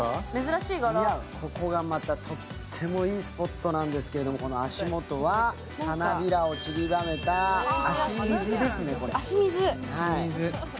ここがまたとってもいいスポットなんですけれども、この足元は、花びらを散りばめた足水ですね。